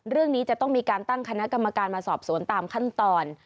เรื่องนี้จะต้องมีการตั้งคณะกรรมการมาสอบสวนตามขั้นตอน